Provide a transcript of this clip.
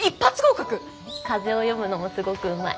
風を読むのもすごくうまい。